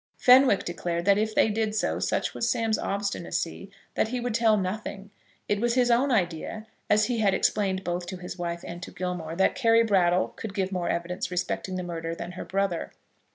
Fenwick declared that, if they did so, such was Sam's obstinacy that he would tell nothing. It was his own idea, as he had explained both to his wife and to Gilmore, that Carry Brattle could give more evidence respecting the murder than her brother.